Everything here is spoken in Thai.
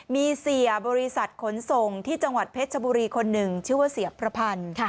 มีเสียบริษัทขนส่งที่จังหวัดเพชรชบุรีคนหนึ่งชื่อว่าเสียประพันธ์